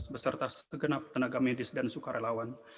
beserta segenap tenaga medis dan sukarelawan